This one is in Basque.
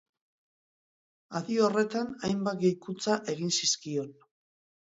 Adi horretan hainbat gehikuntza egin zizkion.